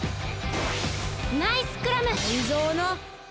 ナイスクラム！